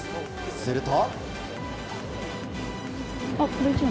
すると。